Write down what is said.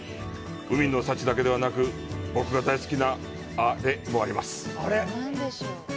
海の幸だけはなく、僕が大好きなアレもあります。